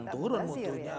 akan turun mutunya